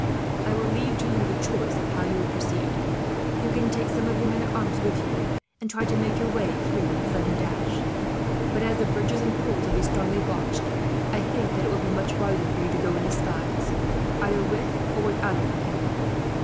"I will leave to you the choice of how you will proceed. You can take some of your men at arms with you, and try to make your way through with a sudden dash; but as the bridges and fords will be strongly watched, I think that it will be much wiser for you to go in disguise, either with or without a companion.